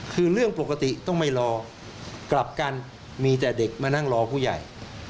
คือเรื่องปกติต้องไม่รอกลับกันมีแต่เด็กมานั่งรอผู้ใหญ่